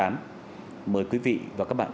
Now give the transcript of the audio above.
mời quý vị và các bạn